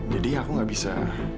jadi aku gak bisa